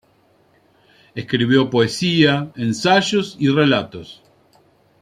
Escribió poesía, ensayos y relatos.